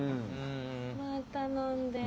また飲んで。